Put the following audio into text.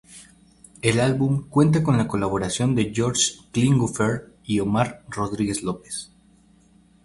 El álbum cuenta con la colaboración de Josh Klinghoffer y Omar Rodríguez-López.